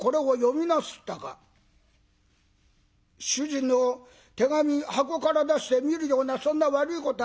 「主人の手紙箱から出して見るようなそんな悪いことはしねえ」。